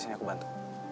sini aku bantu